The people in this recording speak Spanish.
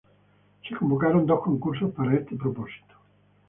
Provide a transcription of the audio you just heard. Se convocaron dos concursos para este propósito.